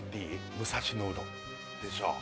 武蔵野うどんでしょう？